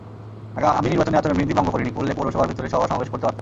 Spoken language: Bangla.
আমি নির্বাচনী আচরণবিধি ভঙ্গ করিনি, করলে পৌরসভার ভেতরে সভা-সমাবেশ করতে পারতাম।